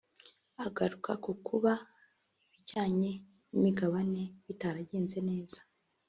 Agaruka ku kuba ibijyanye n’imigabane bitaragenze neza